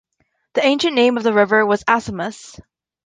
The ancient name of the river was "Assamus".